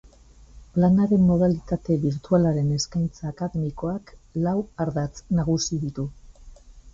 Planaren modalitate birtualaren eskaintza akademikoak lau ardatz nagusi ditu.